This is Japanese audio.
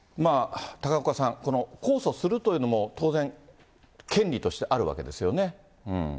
高岡さん、この控訴するというのも、当然、権利としてあるわけですよね。